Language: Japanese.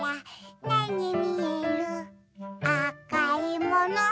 「あかいもの？